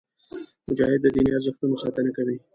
مجاهد د دیني ارزښتونو ساتنه کوي.